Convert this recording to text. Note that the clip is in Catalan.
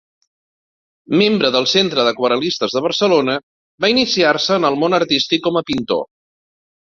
Membre del Centre d'Aquarel·listes de Barcelona, va iniciar-se en el món artístic com a pintor.